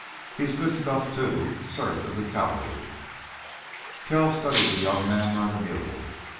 "He's good stuff, too—served in the cavalry...." Kells studied the young man by the mule.